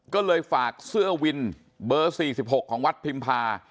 ก็เลยฝากเสื้อวินเบอร์๔๖ของวัดพิมพา